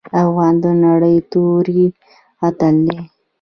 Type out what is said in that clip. افغان د نرۍ توري اتل دی.